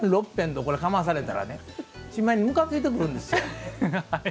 ５遍、６遍とかまされたらねしまいにむかついてくるんですよ。